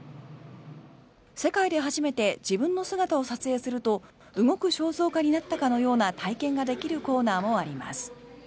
世界で初めて自分の姿を撮影すると動く肖像画になったかのような体験ができるコーナーもあります。